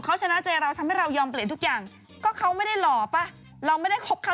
เอ่ะสวัสดีค่ะ